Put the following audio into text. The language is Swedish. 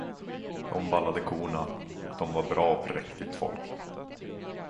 De vallade korna, och de var bra och präktigt folk.